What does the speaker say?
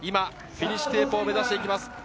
フィニッシュテープを目指していきます。